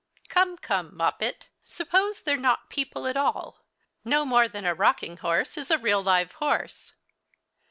"Come, come, Moppet, suppose they're not people at all no more than a rocking horse is a real live horse.